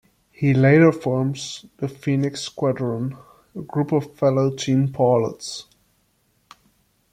He later forms the Phoenix Squadron, a group of fellow teen pilots.